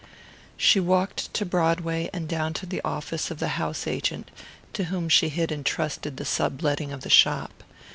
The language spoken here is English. She walked to Broadway and down to the office of the house agent to whom she had entrusted the sub letting of the shop.